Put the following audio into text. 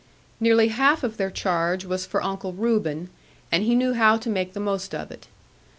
Nearly half of their charge was for Uncle Reuben, and he knew how to make the most of it.